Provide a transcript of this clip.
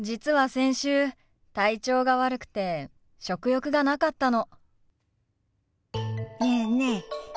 先週体調が悪くて食欲がなかったの。